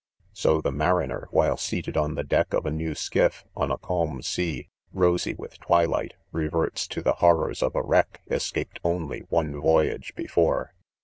.. So the mariner, while seated on the"deck. of a new skifl^on a calm sea, rosy with twilight, reverts to! tEfc. horrors of a wreck., escaped, only one voyage before.